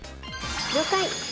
「了解！」